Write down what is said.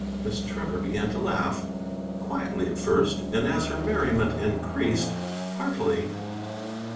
Miss Trevor began to laugh; quietly at first, and, as her merriment increased, heartily.